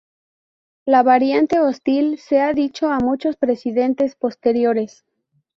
La variante hostil se ha dicho a muchos presidentes posteriores.